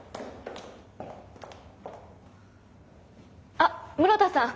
あっ室田さん